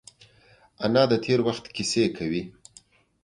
انا د تېر وخت کیسې کوي